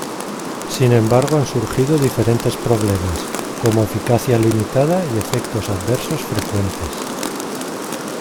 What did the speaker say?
Sin embargo han surgido diferentes problemas, como eficacia limitada y efectos adversos frecuentes.